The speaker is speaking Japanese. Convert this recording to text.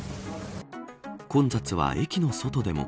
混雑は駅の外でも。